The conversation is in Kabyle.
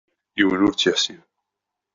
Yiwen ur tt-iḥsib.